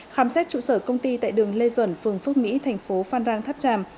khám xét trụ sở công ty tại đường lê duẩn phường phước mỹ thành phố phan rang tháp tràm